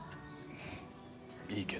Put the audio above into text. いいけど。